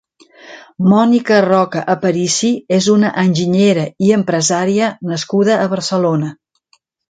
Mònica Roca Aparici és una enginyera i empresària nascuda a Barcelona.